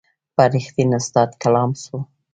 پر رښتین استاد کلام سو